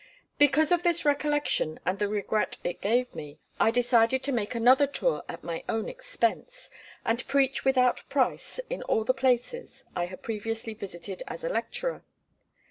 Because of this recollection and the regret it gave me, I decided to make another tour at my own expense, and preach without price in all the places I had previously visited as a lecturer.